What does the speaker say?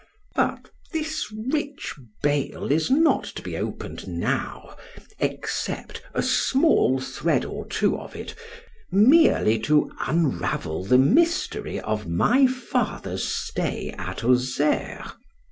—— ——But this rich bale is not to be open'd now; except a small thread or two of it, merely to unravel the mystery of my father's stay at AUXERRE.